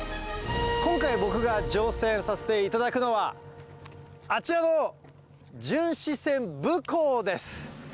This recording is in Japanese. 今回、僕が乗船させていただくのは、あちらの巡視船ぶこうです。